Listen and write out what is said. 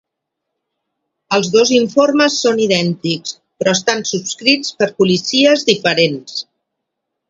Els dos informes són idèntics, però estan subscrits per policies diferents.